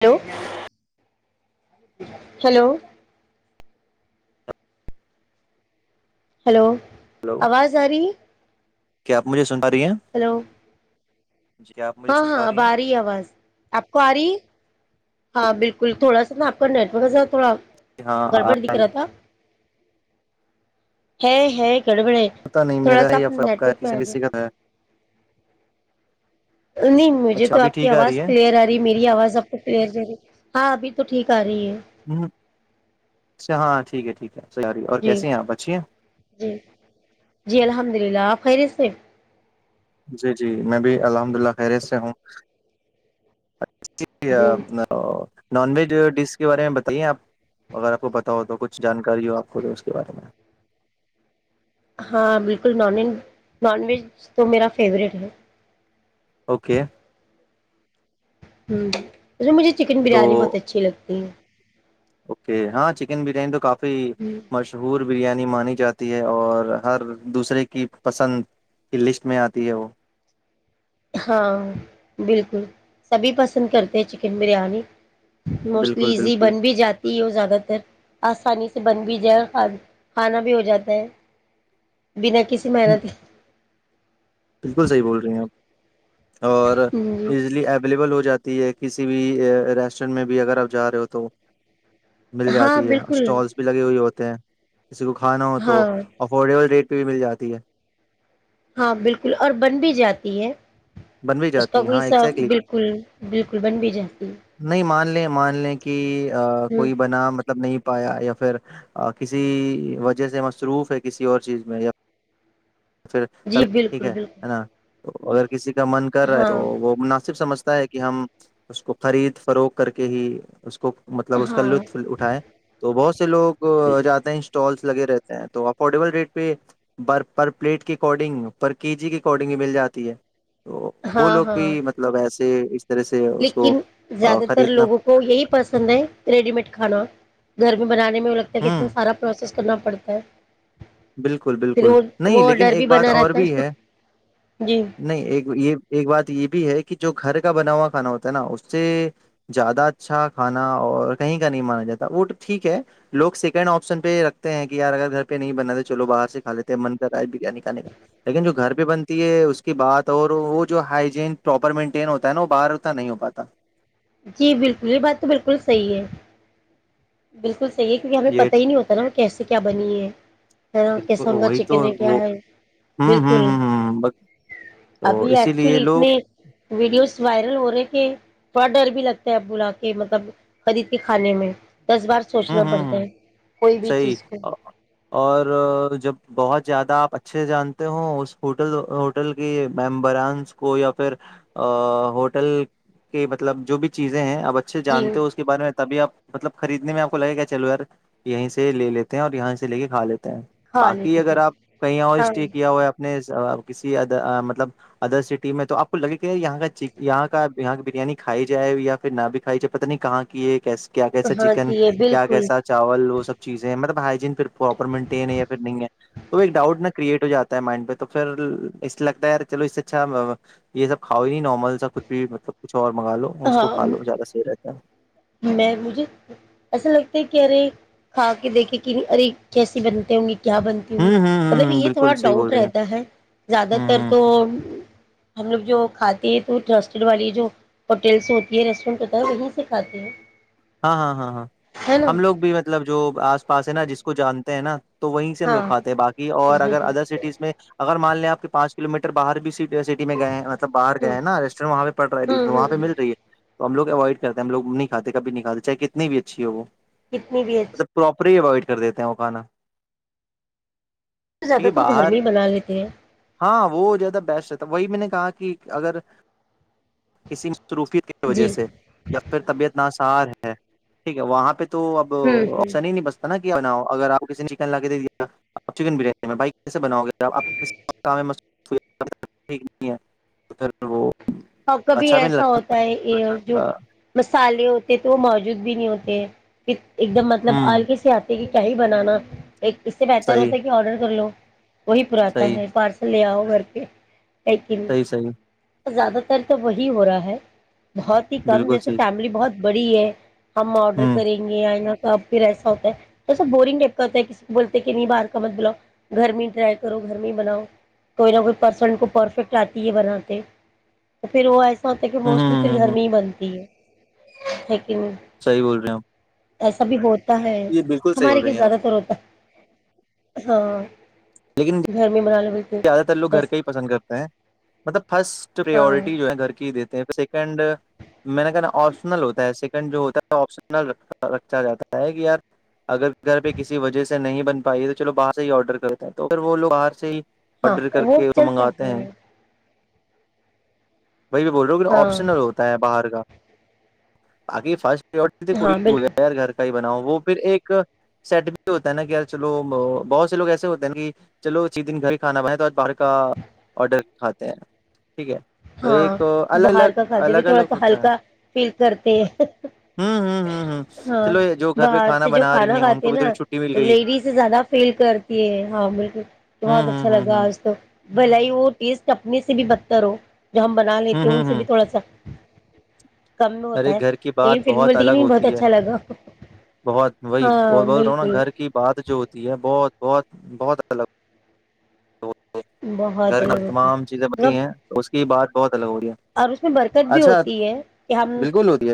Hello hello hello hello آواز آ رہی کیا آپ مجھے سن پ رہی ہیں ہیلو جی کیا آپ مجھے ہاں سن ہاں پا اب آ ہیں رہی ہے آواز آپ کو آ رہی ہے ہاں بالکل تھوڑا سا نا آپ کا نیٹ ورکز تھوڑا کہ ہاں گڑبڑ دکھ آئی رہا ہے تھا ہے ہے کڑے بڑے نہیں تھوڑا میرا سا ہے یا اپنا پھر آپ کا نیٹک کسی میںا کسی کا ہے نہیں مجھے اچھا تو ابھی آپ کی ٹھیک آ آواز رہی ہے کلیئر آ رہی ہے میری آواز آپ کو کلیئر ج رہی ہاں ابھی تو ٹ کر رہی ہے ہوں اچھا ہاں ٹھیک ہے ٹھیک ہے صحیح آ رہی ہے اور جی کیسی ہیں آپ اچھی ہیں جی جی الحمد للہ آپ خیری سے جی جی میں بھی الحمد للہ پیرس سے ہوں چ جی [unintelligible] نان ویج ڈش کے بارے میں بتائیے آپ اگر آپ کو پتا ہو تو کچھ جانکاری ہو آپ کو جو اس کے بارے میں [unintelligible] ہاں بالکل نان و نان ویج تو میرا فیوریٹ ہے اوکے [unintelligible] ہوں [unintelligible] س مجھے چکن تو بریانی بہت اچھی لگتی ہے [unintelligible] اوکے ہاں چکن بریانی تو کافی مشہور بریانی مانی جاتی ہے اور ہر دوسرے کی پسند کی لسٹ میں آتی ہے وہ [unintelligible] ہاں بالکل سبھی پسند کرتے ہیں چکن بریانی [unintelligible] موسٹلی بالکل ایزی بالکل بن بھی جاتی ہو زیادہ تر آسانی سے [unintelligible] بن بھی جائے کھانا بھی ہو جاتا ہے بنا کسی ہم، محنت [unintelligible] بالکل صحیح بول رہے ہیں آپ اور جی ایزلی اویلیبل ہو جاتا [unintelligible] ہے کسی بھی ریسٹورینٹ میں بھی اگر آپ جا رہے ہو تو [unintelligible] مل ہاں جاتی ہے بالکل اسٹالس بھی لگے ہوئے ہوتے ہیں تو [unintelligible] کسی کو کھانا ہو تو ہاں افورڈیبل ریٹ بھی مل جاتی ہے [unintelligible] ہاں بالکل اور بن بھی جاتی ہے بن بھی اس کا جاتی ہے ہاں کوئیسہ ایگزیکٹلی بالکل بالکل بن بھی جاتی نہیں مان لیں مان لیں کہ ہے ہ کوئی بنا مطلب نہیں [unintelligible] پایا یا پھر کسی وجہ سے مصروف ہے کسی اور چیز میں یا [unintelligible] پھر تل جی ٹھیک بالکل ہے بالکل ن [unintelligible] تو اگر [unintelligible] کسی کا من کر رہا ہے تو ہاں وہ مناسب سمجھتا ہے کہ ہم اس کو خرید فروخ کر کے ہی اس کو [unintelligible] کو مطلب اس کا ہاں لطف اٹھائے تو بہت سے لوگ جاتے ہیں [unintelligible] اسٹالس لگے رہتے ہیں تو افورڈیبل ریٹ پہ برف [unintelligible] پر پلیٹ کے اکارڈنگ پر کے جی کے اکارڈنگ ہی مل جاتی ہے [unintelligible] تو وہ ہاں لوگ ہاں بھی مطلب ایسا [unintelligible] ج [unintelligible] لیکن زیادہ تر لوگوں کو یہی پسند ہے ریڈی میڈ کھانا گھر میں بنانے میں وہ لگتا کہ اتنا ہوں ساراوسیس [unintelligible] کرنا پڑتا ہے بالکل پھر بالکل وہ نہیں وہ لیکن ڈر بھی ایک بات بنا اور رہتا بھی ہے جی نہیں ایک یہ ایک بات یہ بھی ہے کہ جو گھر کا بنا ہوا کھانا ہوتا ہے نا اس سے زیادہ اچھا کھانا اور کہیں کا نہیں مانا جاتا وہ تو ٹھیک ہے لوگ سیکنڈ آپشن پہ رکھتے ہیں کہ یار اگر گھر پہ نہیں بنا تو چلو باہر سے کھاے تھے من کر آئے نکالے کا لیکن جو گھر بھی بنتی ہے اس کی بات اور وہ جو ہجین پراپر مینٹین ہوتا ہے نا وہ باہر اتنا نہیں ہو پاتا جی بالکل یہ بات تو بالکل صحیح ہے بالکل ی کیونکہ ہمیں یہ پت ہی نہیں ہوتا نا وہ کیسے کیا بنی ہےا کیسا بالکل ہم کا وہی تو چکن ہے کیا وہ ہے ہوں ہ بالکل ہ ہ ہ تو ابھی اسی لیے ایکچولی لوگ اتنے ویڈیوز وائرل ہو رہے کہ بڑا ڈر بھی لگتا ہے اب بلا کے مطلب خرید کے کھانے میں دس بار ہوں سوچنا ہ پڑتا ہ ہے کوئی بھی صحیح چیز کو اور جب ب بہت زیادہ آپ اچھے جانتے ہو اس ہوٹل ہوٹل کے ممبرانس کو یا پھر ہوٹل کے مطلب جو بھی چیزیں ہیں بچے جی جانتے ہو اس کے بارے میں تبھی آپ مطلب خریدنے میں آپ کو لگےا کیا چلو یار یہیں سے لے لیتے ہیں اور یہاں سے لے کے کا لیتے ہیں ہاں باقی لیکن اگر آپ کہیں اور ہاں اسٹے کیا ہوا اپپ نے کسی مطلب ادر سٹی میں تو آپ کو لگے کہ یہ کا یہاں کا یہاں بریانی کھائی جائے یا پھر نہ بھی کھائی جائے پت نہیں کہاں کی یہ کیسی کیا کیسا کہاں چکن کی ہے کیا بالکل کیسا چاول چ ہ ڈٹ کر جات توگتا ہےو اچھا سب ک مل سا کچھ ملبچھ اور مگ لو اس کو ہاں کھ لو زیادہ صحی رہتا ہے ا میں مجھے ایسا لگتا ہے کہ ارے کھا کے دیکھے کہ ارے کیسی بنتے ہوں گے کیا بنتی ہ ہوئی ہ مطلب ہ یہ بالکل تھوڑا صحیح بول ڈاؤٹ رہی ہیں رہتا ہے زیادہ تر ہ تو ہم لوگ جو کھاتے ہیں تو ٹرسٹڈ والی جو ہوٹلس ہوتی ہے ریسٹورینٹ ہوتا ہے وہیں سے فات ہاں ہاں ہاں ہاں ہم لوگ بھی مطلب جو آ پاس ہے نا جس کو جانتے ہیں نا تو وہیں سے ہم لوگ ہاں کھاتے ہیں بای اور اگر وہی ادر سٹیز میں مان لیںپ پانچلویٹر باہر بھی سیٹ سٹی میںئے مطلب باہر ہ گئے نا ریسٹورینٹ وہاں پہڑ رہا ہ ہے وہ پہ ہ مل رہی ہے تو ہم لوگوائڈ کرتے ہیں ہم لگ نہیں کھے کبھیکال دی چاہے کتنی بھی اچھی ہو وہ کتنی بھی اچھی اپ اوائڈ کر دیتے ہیں کھانا ٹھیک زیادہ ہے تر گھر باہر میں ہی بنا لیتے ہیں ہاں وہ زیادہ بیسٹ رہتا وہی میں نے کہا کہ اگر کسی مصروفیت کی وجہ جی سے یا پھر طبیعت سار ہے ٹھیک ہے وہاں پہ تو ہوں تو ہ اب سنی ہی نہیں بستا نا بناؤ اگر آپ کسی نے چکن لا کے دے دیا آپ چکن بریانی میں بھائی کیسے بناؤ گے وہ اور کبھی اچھا بھی نہیں ایسا لگتا ہوتا ہے یہ جو مسالے ہوتے تو وہ موجود بھی نہیں ہوتے ایک دم مطلب ہوں آلک سے آتے کیا ہی بنانا ایک اس سے بہتر صحیح ہوتا ہے کہ آرڈر کر لو وہی پراتا صحیح ہے پارسل لے آؤ بک لیکن صحیح صحیح زیادہ ر تو وہی ہو رہا ہے بہت ہی کم بالکل جیسے صحیح فیملی بہت بڑی ہے ہم آڈر ہوں کریں گے آ ن اب پھر ایسا ہوتا ہے ایسا بورنگ ٹائپ کا ہوتا ہے کسی کو بولتے کہ نہیں باہر کا مت بلاؤ گھر میں ٹرائی کرو گھر میں ہی بناؤ کوئی نہ کوئی پرسن کو پرفیکٹ آتی ہے بناتے تو پھر وہ ہ ہ موسٹلی پھر ہ گھر ہ میں ہی بنتی ہے ا صحیح بول رہے ہ ایسا بھی بہت ہو ہے ہمارے لی ہیں آپ زیادہ تر ہوتا ہے ہاں لیکن گرمی بناالے میں زیادہ تر لوگ گھر بس کا ہی پسند کرتے ہیں مطلب فرسٹ جو ہاں ہے گھر ہی دی سیکنڈ میں نے کہ ن آپشنل ہوتا ہے سیکنڈ جو ہوتا ہے آپشنل رکھا جاتا ہے کہ یار اگر گھر پہ کسی وجہ سے نہیں بن پائی تو چلو باہر سے ہی آڈر کرتا ہے تو اھر وہ لوگ باہر سے ہی ہاں آرڈر کر وہ کے تو چلتا منگاتے ہے ہیں بھ میں بول رہا ہوں ہاں آپشنل ہوتا ہے باہر کا آگی فاسٹ ے کو ہاں بول بالکل ار گھر کا بناؤ وہ پھر ایک سیٹ بھی ہوتا ہے نا کہ ی چلو بہت سے لوگ ایسے ہوتے ہیں نا کہ چلو چی دن گھر ہی کھانا بن تو آ باہر کا آڈر کھاتے ہیں ٹھیک ہے تو ہاں ایک الگ باہر الگ کا کھاتے بھی الگ تھوڑا الگ سا ہوتا ہے ہلکا فیل کرتے ہیں ہوں ہوں ہوں ہوں ہاں چلو یہ جو گھر پہ باہر کھانا سے جو بنا رہی کھانا ان کھاتے کو ہیں بھی تھوڑی نا چھٹی مل گئی لیڈیز زیادہ فیل کرتی ہے ہاں بالکل ہوں بہت اچھا ہوں ہوں لگا ہوں آج تو بھل ہی وہ ٹیسٹ اپنے سے بھی بدتر ہو جو ہم بنا ہوں لیتے ان ہوں سے بھی ہوں تھوڑا سا کم میں ہوتا ارے ہے گھر کی بات لیکن پھر بھی بہت بولتی کہ الگ نہیں بہت ہوتی ہے اچھا لگا بہت وہی ہاں بول رہا ہ نا بالکل گھر کی بات جو ہوتی ہے بہت بہت بہت الگ تو بہت گھر میں الگ ہوتی ہے تمام چیزیں بت مطلب ہیں تو اس کی بات بہت الگ ہو رہی ہے اور اس میں برکت بھی اچھا ہوتی ہے کہ ہم بالکل ہوتی ہے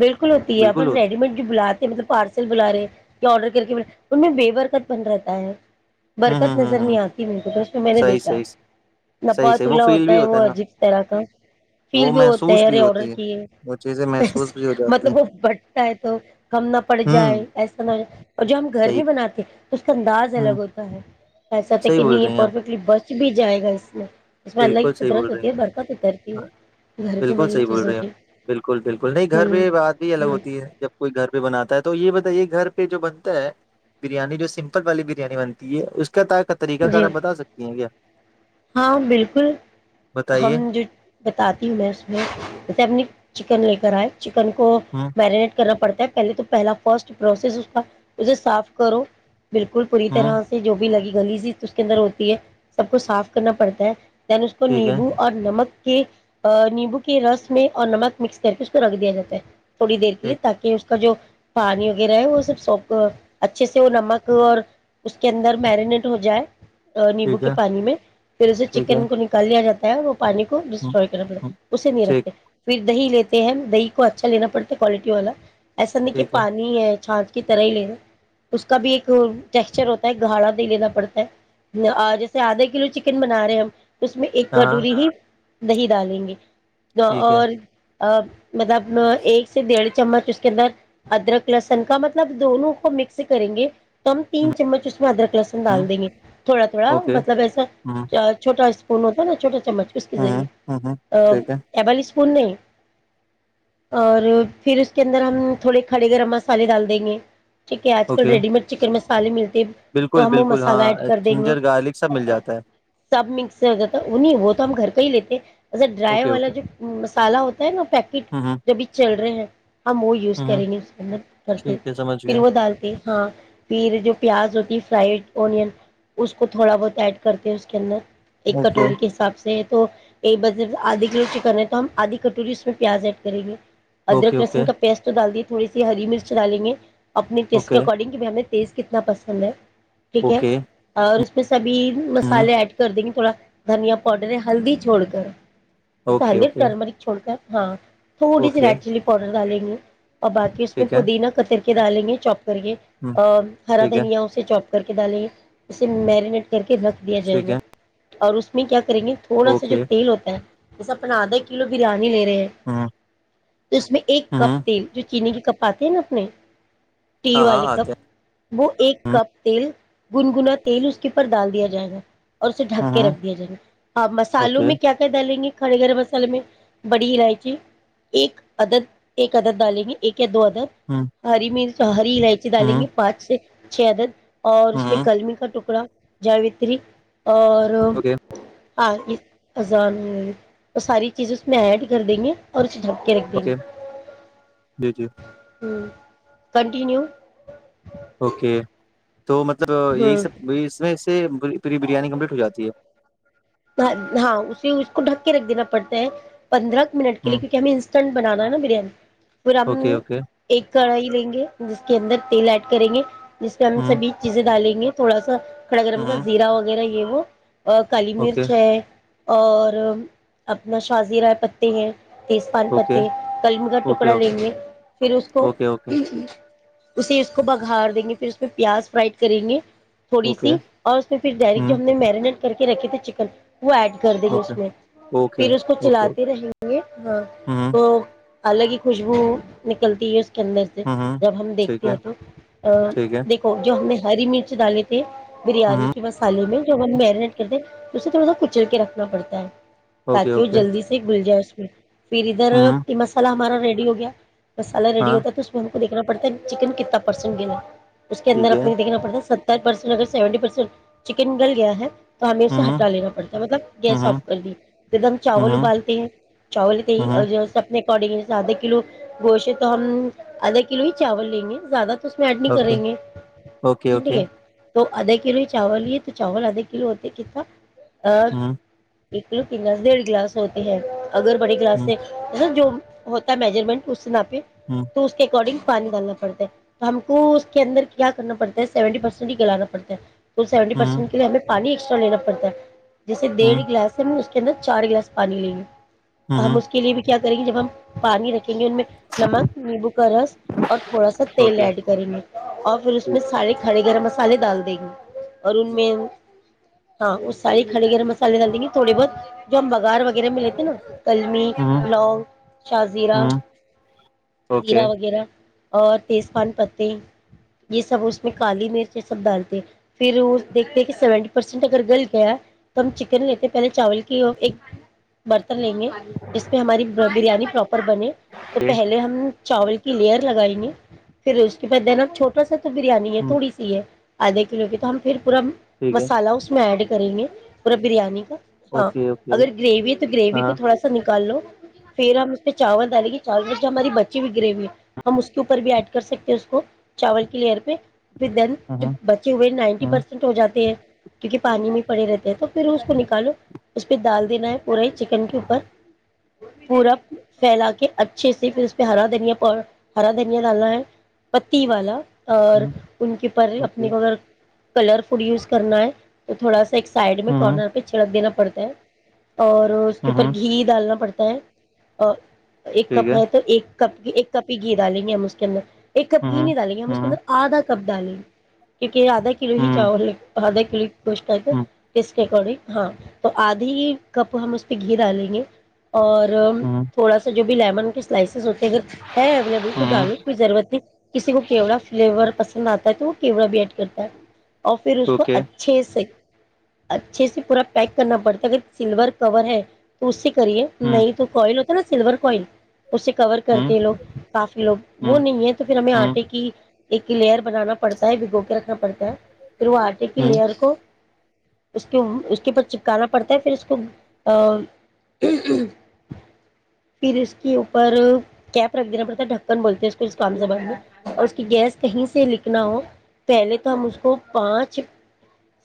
بالکل ہوتی ہے بالکل اپن ہوتی ریڈی میڈ جو بلاتے ہیں مطلب پارسل بلا رہے ہیں یا آڈر کر کے ان میں ویور کت بن رہتا ہے ہے۔ ہوں برکت ہوں نظر ہوں نہیں ہوں آتی میر کو تو تو میں نے صحیح دیکھا صحیح صحیح صحیح وہ نپاتولہ فیل ہوتا بھی ہے وہ نا عجیب طرح کا فیل وہ بھی ہوتا ہے محسوس بھی اے آڈر ہوتی ہے وہ چیزیں س محسوس بھی ہو جاتی ہیں مطلب وہ بٹتا ہے تو ہم نہ پٹ جائے ہوں ایسا نہ ہو ج اور جو ہم گھر صحیح میں بناتے ہیں تو اس کا انداز ہ الگ ہوتا ہے ایسا تھا صحیح کہ بول نہیں یہ رہے ہیں آپ پرفیکٹلی بس کچھ بھی جائے گا اس میں اس میں اللہ بالکل کی صحیح بول قدرت رہے ہوتی ہیں ہے برقہ پ اترتی آپ ہے گھر کو بالکل مری صحیح بول چیزوں رہے ہیں آپ، بالکل بالکل نہیں گھر ہوں پہ بات بھی الگ ہوں ہوتی ہے جب کوئی گھر پہ بناتا ہے تو یہ بتا یہ گھر پہ جو بنتا ہے بریانی جو سمپل والی بریانی بنتی ہے اس کے طریقہ کار جی آپ بتا سکتی ہیں کیا ہاں بالکل بتائیے ہم جو بتاتی ہوں میں اس میںے اپنی چکن لے کر آئے چکن کو ہ میرینیٹ کرنا پڑتا پہلے تو پہلا فرسٹ پروسیس اس کا اسے صاف کرو بالکل پوری ہ طرح سے جو بھی لگی گلی اس کے اندر ہوتی ہے سب کوچ صاف کرنا پڑتا ہے یعن اس کو ٹھیک ہے نیبو اور نمک کہ نیمبو کے رس میں اور نمک مکس کر کے اس کو رکھ دیا جاتا ہے تھوڑی دیر کے لی ٹھیک تاکہ کا جو پانی وغیرہ ہے وہ سب س اچھے سے وہ نمک اور اس کے اندر مرینیٹ ہو جائے نیمبو ٹھیک کے ہے پانی میں پھر اسے ٹھیک ہے چکن کو نکال دیا جاتا س پانی کو ہ ڈسٹروائے کر پڑتا اسے نہیں ٹھیک رکھتے پھر دہی لیتے ہیں ہم دہی کو اچھا لینا پڑتا ہے کوالٹی والا ایسا نہیں کہ ٹھیک ہے پانی ہے چھاچھ کی طرح ہی لینا اس کا بھی ایک ٹیکسچر ہوتا ہے گاڑا دے لینا پڑتا ہے جیسے آدھا کلو چکن بنا رہے ہیں ہم اس میں ایک ہاں ہاں کٹوری ہی دہ ڈالیں گے ج ٹھیک ہے اور مطلب ایک سے ڈیڑھ چمچ اس کے اندر ادرک لسن کا مطلب دونوں کو مکس کریں گے تو ہم تین ہوں چمچ اس میں ادرک ل ہوں، ڈال دیں گے تھوڑا تھوڑا اوکے مطلب ایسا ہ چھوٹا ان ہو تھا ن چو چم اس کے ہ ذریعے ہ ٹھیک ہے پ اور پھر اس کے اندر ہم تھوڑے کھڑے گرم مسالے ڈال دیں گے ٹیک ہے آج ک اوکے ریڈ چکن مس فعلی مل دب بالکل تو ہم وہ بالکل مسالہ ایڈ ہاں کر دیں گے جنجر گارلک سب مل جاتا ہے سب مکس ہو جاتا وہ نہیں وہ تو ہم گھر کا ہی لیتے ج ایا ڈرائی اوکے والا اوکے جو مسالا ہوتا ہے نا پیکٹ ہ جبھی چل رہے ہیں ہم وہ یوز ہ کریں گے اسد کرتے ٹھیک ہے سمجھ گیا پھر وہ ڈالتے ہاں پھر جو پیاز ہوتی فائڈ اونین اس کو تھوڑا بہت ایڈ کرتے ہیں اس کے اندر ایک اوکے کٹوری کے حساب سے تو ایک ب آدھا کلو چکن ہے تو ہم آدھی کٹوری اس میں پیاز ایڈ کریں گے اوکے ادرک اوکے لسن کا پیسٹ تو ڈال دی ت تھوڑی سی ہری مرچ ڈالیں گے اپنی اسس اوکے کے اکارڈنگ کی بھی ہمیں تیز کتنا پسند ہے ٹھیک ہے اوکے اور اس میں سبھی ہوں مسالے ایڈ کر دیں گے تھوڑا دھنیا پاؤڈر ہے ہلدی چھوڑ کر اوکے ے اوکے رمرک چھوڑ کر ہاں تھوڑیڈ اوکے چلی پاڈرا لیی ہ [unintelligible] اور باقی اس میں ٹھیک ہے پودینہ قطر ک ڈالیں گے چوپ کرے ہ ہرا ٹھیک ہے دھنیا اس سے جاب کر کے ڈالیں گے اسے میرینیٹ کر کے رکھ دیا جائے ٹھیک گا ہے اور اس م کیا کریں گے تھوڑا سا جو اوکے تیل ہوتا ہے ایسا اپنا دا کلو بریانی لے رہے ہیں ہوں تو اس میں ایک ہوں کپ تیل جو چینینی کی کپاتے نا اپنے ٹی ہاں والے ہاں آتے کپ وہ ایک ہیں کپ تیل گنگنا تیل اس کے ا پرر ڈال دیا جائے گا اور اسے ہ ڈھک کے ہ رکھ دیا جائے گا ہاں مسالوں اوکے میں کیا کیا ڈالیں گے کھڑے گرم مسالے میں بڑی الائچی ایک عدد ایک عدد ڈالیں گے ایک کے دو عدد ہ ہری مرچ [unintelligible] الائچی ہ ڈالیں گے پانچ چھ چھ‌‌ عدد اور اس میں ہ کلمی کا ٹکڑا جاوتری اور اوکے ہاں ازان وہ ساری چیز اس میں ایڈ کر دیں گے اور جپکے ریکھین اوکے جی جی ہوں کنٹیینیو اوکے تو مطلب یہی ہوں سب اس میں سے پھر یہ بریانی کمپلیٹ ہو جاتی ہے ہاں ہاں اسی کو ڈھک کے رکھ دینا پڑتا ہے پندرہ منٹ ہے کے ہ لیے کیونک ہم انسٹنٹ بنانا ہے نا بریانی پھر ہم اوکے اوکے ایک کڑھائی لیں گے جس کے اندر تیل ایڈ کریں گے جس پہ ہم ہ سبھی چیزیں ڈالیں گے تھوڑا سا کیرہ ہ زیرہ وغیرہ یہ وہ ا کال اوکے میر [unintelligible] اور اپنا شازی رائے پتے ہیں تیز پان اوکے پتے قلم کا اوکے ٹکڑا لیں گے پھر اس کو اوکے اوکے اوکے اسے اس کو بگھار دیں گے پھر اس میں پیاز فرائڈ کریں گے تھوڑی اوکے سی اور اس میں پھر ڈائریکٹ ہ جو ہم نے مرینیٹ کر کے رکھی ت چکن [unintelligible] وہ ایڈ کر دیں گے اوکے اس میں اوکے پھر اس کو اوکے چلاتے رہیں گے ہاں ہ تو الگ ہی خوشبو نکلتی ہے اس [unintelligible] اندر سے ہ جب ہم ٹھیک دیکھتے ہے ہیں تو ا ٹھیک ہے دیکھو جو ہم نے [unintelligible] ہری مرچ ڈال تھے [unintelligible] بریانی ہ کے مسالے میں میرینیٹ کرتے اسے تھوڑا [unintelligible] کچل کے رکھنا پڑتا ہے [unintelligible] اوکے تاکہ وہ اوکے جلدی سے ہی گل جائے جی [unintelligible] پھر ادھر ہ مسالا ہمارا ریڈی ہو گیا [unintelligible] مسلا ریڈی ہاں ہوتا تو اس بھروں [unintelligible] دیکھنا پڑتا ہے چکن کتنا پرسنٹ گ [unintelligible] اس کے اندر ٹھیک ہے اپنے دیکنا پڑتا س ٹ اگر سیونٹی پرسینٹ چکن نل گیا ہے [unintelligible] تو ہمیں اسے ہ ہٹا لاڑتا ہے [unintelligible] مطلب گیس آف کر دی ایک د ہم چاول ابالتے ہیں چاول کے س اپنے [unintelligible] آدھا کلو گوشے تو ہم آدھا کلو ہی چاول لیں گے زیادہ [unintelligible] تو اس میں ایڈ نہیں کریں گے ٹھیک ہے تو آدا کلو ہی چاول یہ تو چاول آدھے کلو ہوتے کس س آ ایک لوکنگس ڈیڑھ گلاس ہوتی ہے اگر پڑھی کلاسیںب جو ہوتا میجرمنٹ اس تو اس کے اکارڈنگ پانی ڈالنا پڑتا ہے تو ہم کو اس کے اندر کیا کرنا پڑتا ہے سیونٹی پرسینٹ ہی گلانا پڑتا ہے سیونٹی پرسینٹ کےے ہمیں پانی چلم پڑتا ہے جیسے ڈیھ گلاس میں کہ چار گلاس پانی لین ہم اس کے لیے بھی کیا کریں گی جب ہم پانی رکھ گے ان میں نمک نیمبو کا رس اور تھوڑا سا تیل ایڈ کریں گے اور پھر اس میں ٹھیک ہے سارے کھڑے گرم مسال سالے دال دے گی ارون ٹھیک ہے مین ہاں وہ ساری ہے گرم مسالے ڈال دیں گے تھوڑی بہت جم با غار وغیرہ ملے تھے نا قلمی لونگ شاہ زیرہ زیرا وغیرہ اور تیز پان پتے یہ سب اس میں کالی مرچ یہ سب ڈالتے پھر وہ دیکھتے کہ سیونٹی پرسینٹ اگر گل گیا تو ہم چکن لیتے پہلے چاول کی اور ایک برتن لیں گے جس میں ہماری برو بریانی پرپ بنے تو پہلے ہم چاول کی لیئر لگائی گے پھر اس کے بعد دن آپ چھوٹا سا بریانی ہے تھوڑی سی ہے آدھے کلو کی تو ہم پھر پا ٹھیک ہے مسالا اس میں ایڈ کری گ پورا بریانی کا ہاں اگر گریوی ہے تو گریوی کو ہاں تھوڑا سا نکال لو پھر ہم اس پہ چاول ڈالیں گے چاول میں جو ہماری بچی ہوئی گریوی ہے ہم اس کے اوپر بھی ایڈ کر سکتے ہیں اس کو چاول کی لئر پہ پھر دین ج بچے ہوئے نائنٹی پرسینٹ ہو جاتے ہیں کیونکہ پانی میں پڑے رہتے ہیں تو پھر اس کو نکالو اس پہ ڈال دینا ہے پورے چکن کے اوپر پورا پھیلا کے اچھے سے پھر اس پہ ہرا دھنیا ہرا دھنیا ڈالنا ہے پتی والا اور ان کی پر اپنے کو اگر کلر فڈ یوز کرنا ہے تو تھوڑا سا ایک سائڈ کارنر پہ چڑ دینا پڑتے ہیں اور اس کے اوپر گھی ڈالنا پڑتا ا اور ایک کپ ہے تو ایک کپ کی ایک کپ ہی گھی ڈالیں گے ہم اس کے اندر ایک ک اپ گھی نہیں ڈالییا اس کے اند آدھا سب ڈالیں گ کیونکہ آدھا کلو ہی چاول آدھا کلو بس آ گ کے اکارڈنگ ہاں تو آدھی ہی کپ ہم اس پہ گھی ڈالیں گے اور تھوڑا سا جو بھی لیمن کے سلائسیز ہوتے ہیں اگر ہے اویلیبل تو دالو کی ضرورت نہیں کسی کو کیڑا فلیور پند نتا ہے تو وہ کیوڑا بیٹ کرتا ہے اور پھر اس کو اچھے سے اچھے سے پورا پیک کرنا پڑتا ہے اگر سلور کور ہے تو اس سے کریے نہیں تو کوئی ل نا سلور کوئن اس سے کور کرتے ہیں لوگ کافی لوگ وہ نہیں ہے تو پھر ہمیں آٹے کی ایک لیئر بنانا پڑتا ہے بھگو کے رکھنا پڑتا ہے پھر وہ آرٹیکل آر کو اس کے اوپر چپکانا پڑتا ہے پھر اس کو پھر اس کے اوپر کیپ رکھ دینا پڑتا ہے ڈھکن بولتے ہیں اس کو اس کام زبان میں اور اس کی گیس کہیں سے لکھنا ہو پہلے تو ہم اس کو پانچ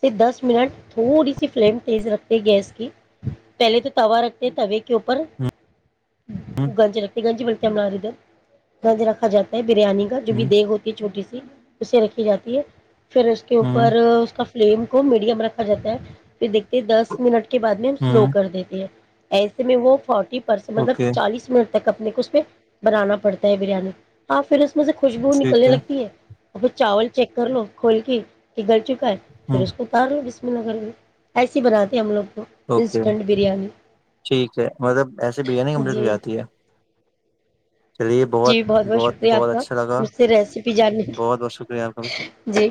سے دس منٹ تھوڑی سی فلیم تیز رکھتے گیس کی پہلے تو توا رکھتے ہیں توے کے اوپر گنجی رکھتی گنجی بالکل نے آ ر رد رکھا جاتا ہے بریانی کا جو بھی دیک ہوتی ہے چھوٹی سی اسے رکھی جاتی ہے پھر اس کے اوپر اس کا فم کو میڈیم رکھ خ جتے پھر دیکھتے دس منٹ کے بعد میں ہم سلو کر دیتے ہیں ایسے میں وہ فورٹی پرس مطلب چالیس منٹ اپنے کو اس پہ بنانا پڑتا ہے بریانی آپ پھر اس مجھ سے خوشبو نکلنے لگتی ہے ا پھر چاول چیک کر لو کھول کے کہ گل چپ پھر اس کو اتار لو جس لشم نگر میں ایسی ہی بناتے ہیں ہم لوگ کو اوکے انسٹنٹ بریانی ٹھیک ہے مطلب ایسے بریانی کمپلیٹ ہو جی جاتی ہے جی بہت بہت شکریہ آپ کا مجھ سے ریسیپی جاننے بہت بہت شکریہ آپ کا کی جی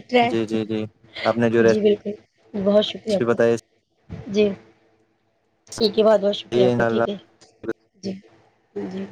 جی جی آپ نے جو جی بالکل بہت شکریہ ریسیپی آپ بتائی کا جی ٹھیک ہے بہت بہت شکریہ آپ ان کا شاء اللہ ٹھیک ہے جی جی جی